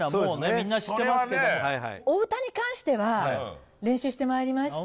みんな知ってますけどもお歌に関しては練習してまいりました